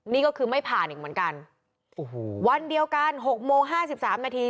นี่ก็คือไม่ผ่านอีกเหมือนกันโอ้โหวันเดียวกันหกโมงห้าสิบสามนาที